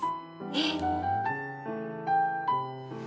えっ！